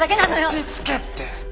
落ち着けって。